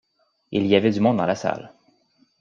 Il y avait du monde dans la salle.